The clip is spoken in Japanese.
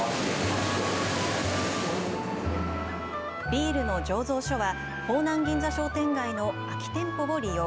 ビールの醸造所は、方南銀座商店街の空き店舗を利用。